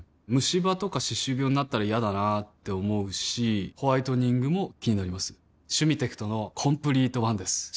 ムシ歯とか歯周病になったら嫌だなって思うしホワイトニングも気になります「シュミテクトのコンプリートワン」です